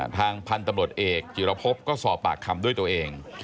ทางพันธุ์ตำรวจเอกจิรพบก็สอบปากคำด้วยตัวเอง